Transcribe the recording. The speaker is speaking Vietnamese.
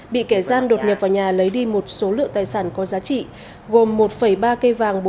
bị kẻ gian đột nhập vào nhà lấy đi một số lượng tài sản có giá trị gồm một ba cây vàng